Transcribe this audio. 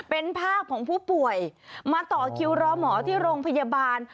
เป็นภาพของผู้ป่วยมาต่อคิวรอหมอที่โรงพยาบาล